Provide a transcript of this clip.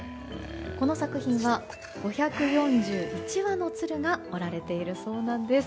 この作品は５４１羽の鶴が折られているそうなんです。